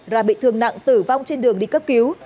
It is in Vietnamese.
và bị thương nặng tử vong trên đường đi cấp cứu